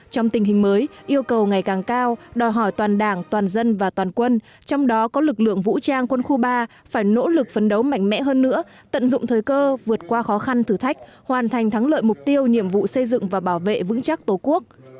trong tình hình mới yêu cầu ngày càng cao đòi hỏi toàn đảng toàn dân và toàn quân trong đó có lực lượng vũ trang quân khu ba phải nỗ lực phấn đấu mạnh mẽ hơn nữa tận dụng thời cơ vượt qua khó khăn thử thách hoàn thành thắng lợi mục tiêu nhiệm vụ xây dựng và bảo vệ vững chắc tổ quốc